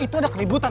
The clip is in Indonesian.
itu ada keributan